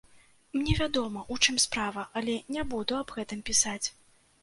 Мне вядома, у чым справа, але не буду аб гэтым пісаць.